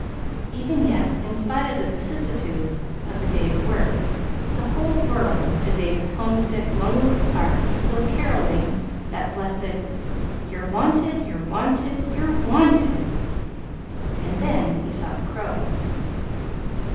Even yet, in spite of the vicissitudes of the day's work, the whole world, to David's homesick, lonely little heart, was still caroling that blessed "You're wanted, you're wanted, you're wanted!" And then he saw the crow.